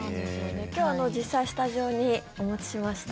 今日は実際スタジオにお持ちしました。